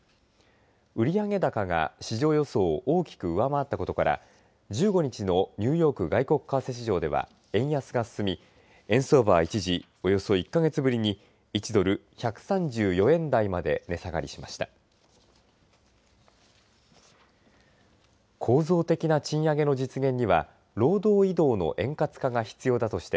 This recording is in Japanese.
売上高が市場予想を大きく上回ったことから１５日のニューヨーク外国為替市場では円安が進み円相場は一時およそ１か月ぶりに１３４円台まで値下がりしました。